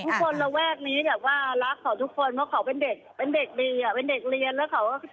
แบบนี้แบบว่ารักของทุกคนเพราะเขาเป็นเด็กดีเป็นเด็กเรียน